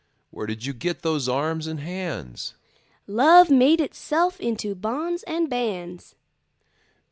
Where did you get those arms and hands? Love made itself into bonds and bands.